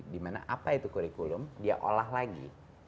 dimana apa itu kurikulum dia olah lagi